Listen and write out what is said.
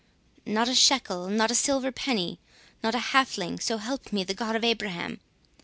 "Not a shekel, not a silver penny, not a halfling—so help me the God of Abraham!"